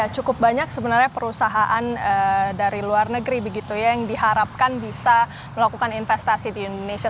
cukup banyak sebenarnya perusahaan dari luar negeri begitu ya yang diharapkan bisa melakukan investasi di indonesia